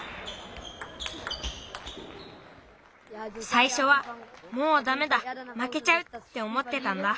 さいしょは「もうダメだまけちゃう」っておもってたんだ。